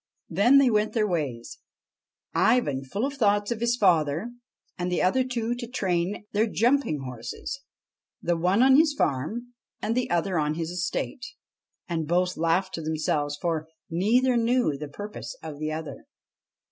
Then they went their ways, Ivan full of thoughts of his father, and the other two to train their jumping horses, the one on his farm and the other on his estate. And both laughed to themselves, for neither knew the purpose of the other.